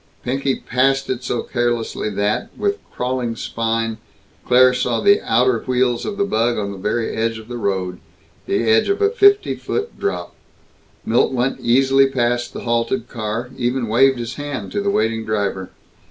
Pinky passed it so carelessly that, with crawling spine, Claire saw the outer wheels of the bug on the very edge of the road the edge of a fifty foot drop. Milt went easily past the halted car even waved his hand to the waiting driver.